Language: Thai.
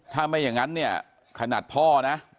ถ้าไม่อย่างนั้นเนี่ยขนาดพ่อนะ